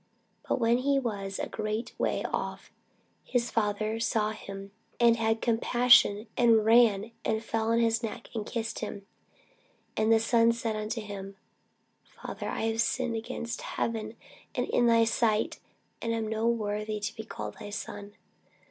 But when he was yet a great way off, his father saw him, and had compassion, and ran, and fell on his neck, and kissed him. And the son said unto him, Father, I have sinned against heaven, and in thy sight, and am no more worthy to be called thy son.